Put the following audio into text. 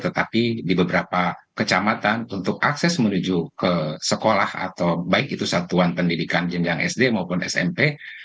tetapi di beberapa kecamatan untuk akses menuju ke sekolah atau baik itu satuan pendidikan jenjang sd maupun smp